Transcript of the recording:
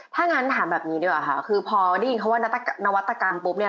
ถ้างั้นถามแบบนี้ดีกว่าค่ะคือพอได้ยินคำว่านวัตกรรมปุ๊บเนี่ย